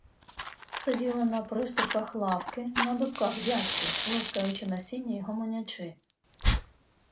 Сиділи на приступках лавки, на дубках дядьки, лускаючи насіння й гомонячи.